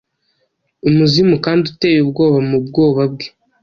Umuzimu kandi uteye ubwoba mubwoba bwe